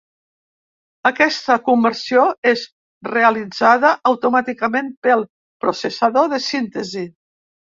Aquesta conversió és realitzada automàticament pel processador de síntesi.